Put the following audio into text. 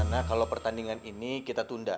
nah kalau pertandingan ini kita tunda